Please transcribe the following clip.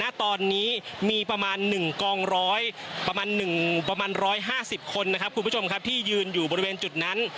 ณตอนนี้มีประมาณ๑กองร้อยประมาณ๑๕๐คนนะครับคุณผู้ชมครับที่ยืนอยู่บริเวณจุดนั้น